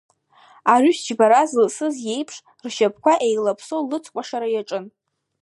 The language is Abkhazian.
Арыжәтә џьбара зылсыз иеиԥш ршьапқәа еилаԥсо лыцкәашара иаҿын.